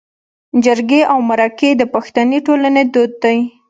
جرګې او مرکې د پښتني ټولنې دود دی